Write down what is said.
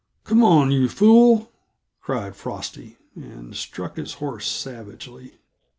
"Come on, you fool!" cried Frosty, and struck his horse savagely.